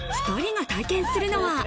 ２人が体験するのは。